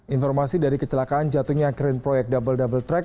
informasi dari kecelakaan jatuhnya kren proyek double double track